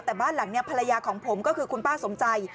แต่บ้านหลังนี้ภรรยาของผมก็คือคุณป้าสมใจ